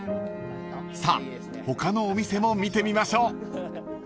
［さあ他のお店も見てみましょう］